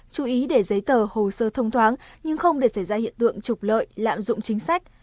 chú ý để giấy tờ hồ sơ thông thoáng nhưng không để xảy ra hiện tượng trục lợi lạm dụng chính sách